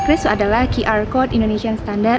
kris adalah qr code indonesian standard